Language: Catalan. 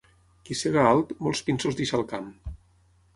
Qui sega alt, molts pinsos deixa al camp.